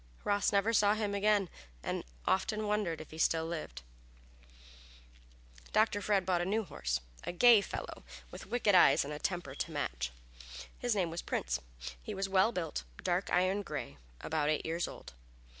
Ross never saw him again, and often wondered if he still lived. Dr. Fred soon bought a new horse a gay fellow, with wicked eyes and a temper to match. His name was Prince. He was a well built, dark iron gray about eight years old.